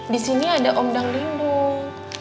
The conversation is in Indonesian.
di sini ada om danglindung